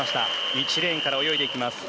１レーンから泳いでいきます。